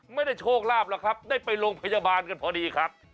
ไม่ได้โชคลาภหรอกครับได้ไปโรงพยาบาลกันพอดีครับ